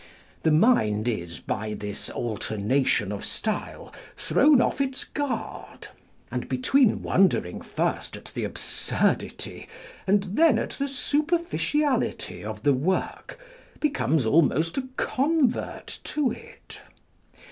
The mind is, by this alternation of style, thrown off its guard ; and between wondering first at the absurdity, and then at the superficiality of the work, becomes almost a convert to it.